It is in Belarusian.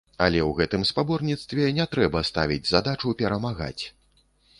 Але ў гэтым спаборніцтве не трэба ставіць задачу перамагаць.